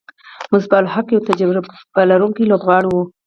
مصباح الحق یو تجربه لرونکی لوبغاړی وو.